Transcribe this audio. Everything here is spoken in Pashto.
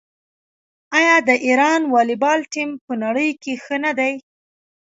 آیا د ایران والیبال ټیم په نړۍ کې ښه نه دی؟